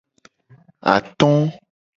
Ato.